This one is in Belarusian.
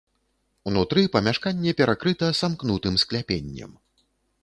Унутры памяшканне перакрыта самкнутым скляпеннем.